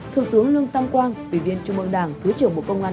thủ tướng lương tam quang ủy viên chung mương đảng thứ trưởng bộ công an